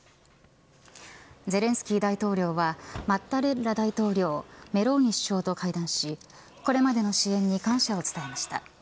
ゼレンスキー大統領はマッタレッラ大統領メローニ首相と会談しこれまでの支援に感謝を伝えました。